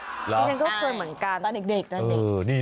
ฉันก็เคยเหมือนกันตอนเด็กนะเด็ก